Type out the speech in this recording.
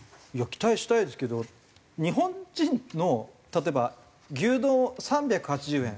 期待したいですけど日本人の例えば牛丼３８０円。